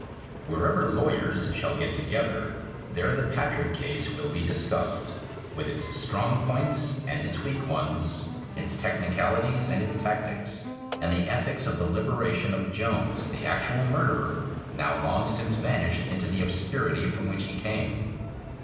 Wherever lawyers shall get together, there the Patrick case will be discussed with its strong points and its weak ones, its technicalities and its tactics, and the ethics of the liberation of Jones, the actual murderer, now long since vanished into the obscurity from which he came.